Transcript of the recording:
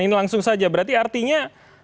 ini langsung saja berarti artinya